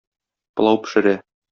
Пылау пешерә.